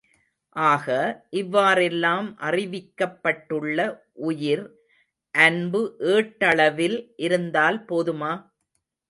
ஆக, இவ்வாறெல்லாம் அறிவிக்கப்பட்டுள்ள உயிர் அன்பு ஏட்டளவில் இருந்தால் போதுமா?